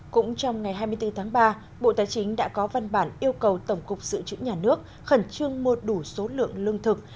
cũng trong ngày hai mươi bốn tháng ba bộ tài chính đã có văn bản yêu cầu tổng cục dự trữ nhà nước khẩn trương mua đủ số lượng lương thực